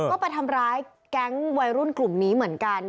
ก็ไปทำร้ายแก๊งวัยรุ่นกลุ่มนี้เหมือนกัน